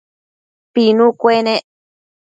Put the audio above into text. Pinu cuenec